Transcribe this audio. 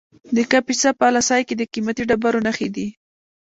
د کاپیسا په اله سای کې د قیمتي ډبرو نښې دي.